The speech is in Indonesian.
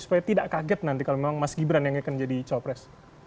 supaya tidak kaget nanti kalau memang mas gibran yang akan jadi cawapres